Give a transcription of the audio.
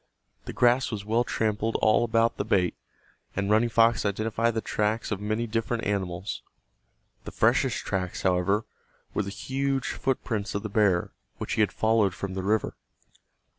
The grass was well trampled all about the bait, and Running Fox identified the tracks of many different animals. The freshest tracks, however, were the huge footprints of the bear which he had followed from the river.